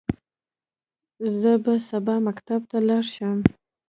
زه به سبا مکتب ته لاړ شم.